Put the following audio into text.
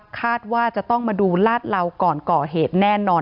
คาดว่าจะต้องมาดูลาดเหลาก่อนก่อเหตุแน่นอน